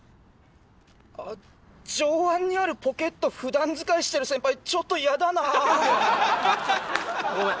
上腕にあるポケット普段使いしてる先輩ちょっとやだなごめん